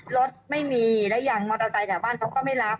รถไม่มีและอย่างมอเตอร์ไซค์แถวบ้านเขาก็ไม่รับ